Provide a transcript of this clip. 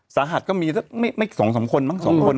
สาหัสก็มีสัก๒๓คนมั้ง๒คน